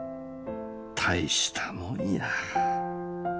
大したもんや。